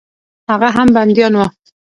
هغه هم بندیان وه.